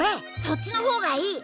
そっちの方がいい！